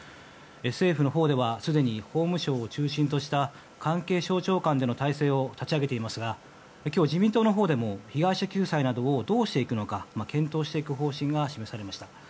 政府のほうではすでに法務省を中心とした関係省庁間での体制を立ち上げていますが今日、自民党でも被害者救済などをどうしていくのか検討していく方針が示されました。